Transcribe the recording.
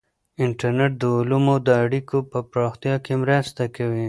انټرنیټ د علومو د اړیکو په پراختیا کې مرسته کوي.